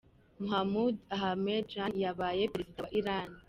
Mahmoud Ahmedinejad yabaye perezida wa Iran.